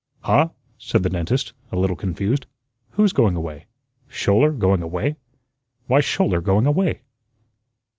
"Huh?" said the dentist, a little confused. "Who's going away? Schouler going away? Why's Schouler going away?"